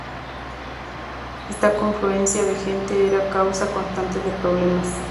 Esta confluencia de gente era causa constante de problemas.